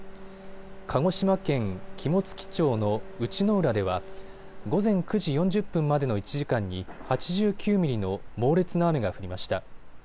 鹿児島県肝付町の内之浦では午前９時４０分までの１時間に８９ミリの猛烈な雨が降りました。